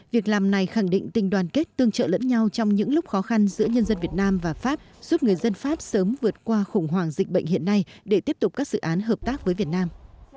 việc làm này khẳng định tình đoàn kết tương trợ lẫn nhau trong những lúc khó khăn giữa nhân dân việt nam và pháp giúp người dân pháp sớm vượt qua khủng hoảng dịch bệnh hiện nay để tiếp tục các dự án hợp tác với việt nam